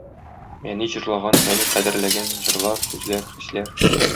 Әни җырлаган, әни кадерләгән җырлар, сүзләр, хисләр.